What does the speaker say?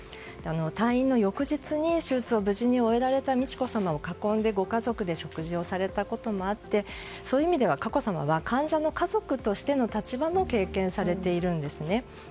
退院の翌日に手術を無事に終えられた美智子さまを囲んで、ご家族で食事をされたこともあってそういう意味では佳子さまは患者の家族としての立場も経験されているんですね。